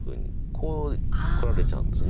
こうこられちゃうんですよね。